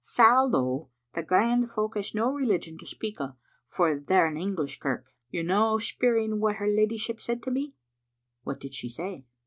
Sal, though, thae grand folk has no religion to speak o', for they're a' English kirk. You're no' speir ing what her leddyship said to me?" "What did she say?"